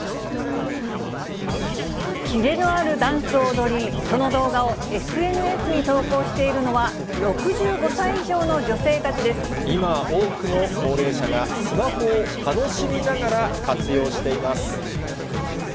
キレのあるダンスを踊り、その動画をＳＮＳに投稿しているのは、今、多くの高齢者がスマホを楽しみながら、活用しています。